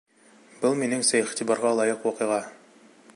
Был, минеңсә, иғтибарға лайыҡ ваҡиға.